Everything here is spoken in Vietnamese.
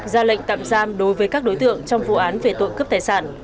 ra lệnh tạm giam đối với các đối tượng trong vụ án về tội cướp tài sản